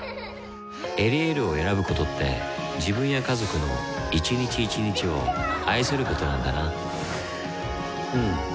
「エリエール」を選ぶことって自分や家族の一日一日を愛することなんだなうん。